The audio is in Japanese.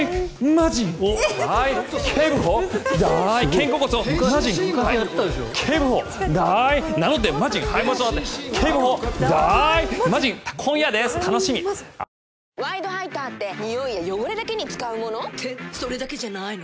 肩甲骨をほぐしながら「ワイドハイター」ってニオイや汚れだけに使うもの？ってそれだけじゃないの。